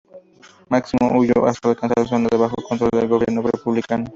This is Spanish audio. Máximo huyó hasta alcanzar la zona bajo control del gobierno republicano.